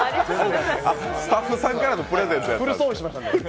スタッフさんからのプレゼントやったんや。